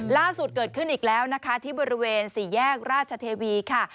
ล่าสุดเกิดขึ้นอีกแล้วนะคะที่บริเวณสี่แยกราชเทวีค่ะ